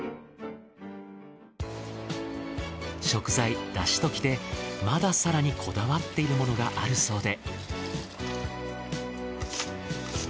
食材出汁ときてまだ更にこだわっているものがあるそうで。